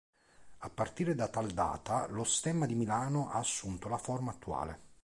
A partire da tal data, lo stemma di Milano ha assunto la forma attuale.